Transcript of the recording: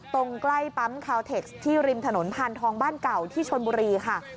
ตรงใกล้ปั๊มคาวเทคที่ริมถนนพานทองบ้านเก่าที่ชนบุรีค่ะ